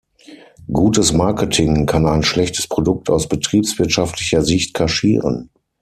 Gutes Marketing kann ein schlechtes Produkt aus betriebswirtschaftlicher Sicht kaschieren.